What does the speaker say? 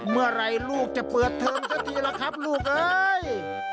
เมื่อไหร่ลูกจะเปิดเทอมสักทีล่ะครับลูกเอ้ย